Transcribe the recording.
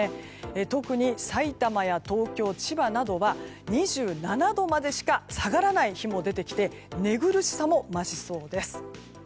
特に埼玉や東京、千葉などは２７度までしか下がらない日も出てきて寝苦しさも増しそうです。